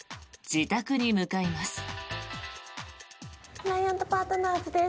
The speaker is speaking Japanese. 自宅に向かいます。